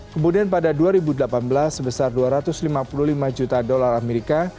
kemudian pada dua ribu delapan belas sebesar dua ratus lima puluh lima juta dolar amerika